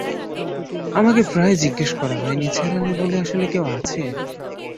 আমাকে প্রায়ই জিজ্ঞেস করা হয়, নিসার আলি বলে আসলেই কেউ আছে?